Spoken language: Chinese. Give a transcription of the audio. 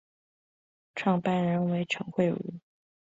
创办人为陈惠如。